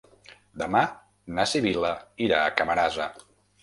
Demà na Sibil·la irà a Camarasa.